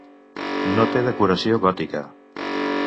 No té decoració gòtica.